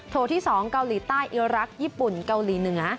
ที่๒เกาหลีใต้อิรักษ์ญี่ปุ่นเกาหลีเหนือ